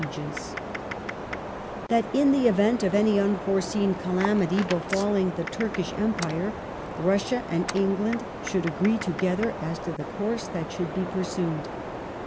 220 THE COALITION AND THE CRIMEAN WAR [1852 That, in the event of any unforeseen calamity befalling the Turkish Empire, Russia and England should agree together as to the course that should be pureued."